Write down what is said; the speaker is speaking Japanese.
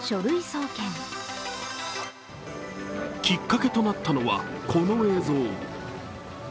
きっかけとなったのはこの映像。